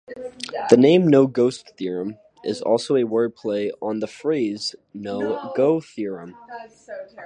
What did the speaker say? The name "no-ghost theorem" is also a word play on the phrase no-go theorem.